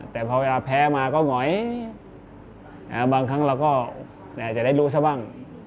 แต่พอเวลาแพ้มาก็หงอยบางครั้งเราก็อาจจะได้รู้ซะบ้าง